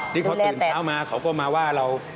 นี่พอตื่นเช้ามาเขาก็มาว่าเรา